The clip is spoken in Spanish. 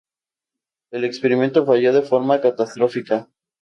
El experimento falló de forma catastrófica.